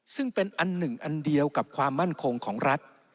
ซึ่งเป็นอันหนึ่งอันเดียวกับความมั่นคงของรัฐ